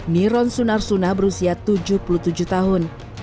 niron sunarsuna berusia tujuh puluh tujuh tahun